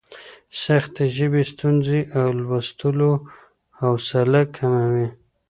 سختې ژبې ستونزې د لوستلو حوصله کموي.